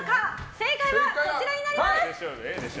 正解は、こちらになります！